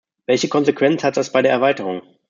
Welche Konsequenz hat das bei der Erweiterung?